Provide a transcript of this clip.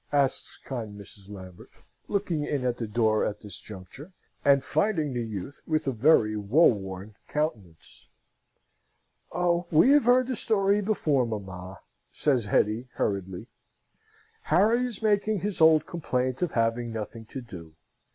asks kind Mrs. Lambert, looking in at the door at this juncture, and finding the youth with a very woeworn countenance. "Oh, we have heard the story before, mamma!" says Hetty, hurriedly. "Harry is making his old complaint of having nothing to do.